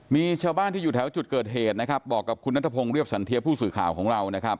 มีชาวบ้านที่อยู่แถวจุดเกิดเหตุนะครับบอกกับคุณนัทพงศ์เรียบสันเทียผู้สื่อข่าวของเรานะครับ